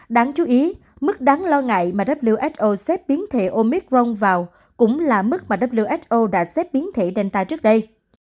đáng chú ý mức đáng lo ngại mà wso xếp biến thể omicron vào cũng là mức mà wso đã xếp biến thể delta trước đây